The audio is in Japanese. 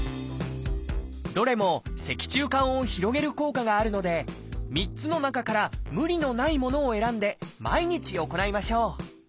どれも脊柱管を広げる効果があるので３つの中から無理のないものを選んで毎日行いましょう。